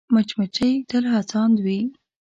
مچمچۍ تل هڅاند وي